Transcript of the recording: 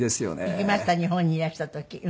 行きました日本にいらした時。